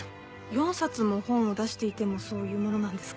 ４冊も本を出していてもそういうものなんですか？